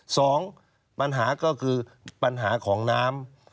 สองปัญหาก็คือปัญหาของน้ำ